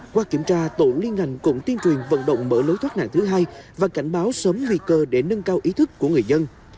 qua kiểm tra tổ liên ngành cũng tiên truyền vận động mở lối thoát nạn thứ hai và cảnh báo sớm nguy cơ để nâng cao ý thức của người dân